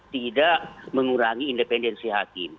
tidak mengurangi independensi hakim